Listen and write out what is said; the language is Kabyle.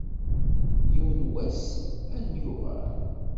Yiwen n wass ad n-yuɣal.